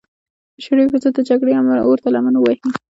د شوروي پر ضد د جګړې اور ته لمن ووهي.